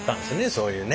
そういうね。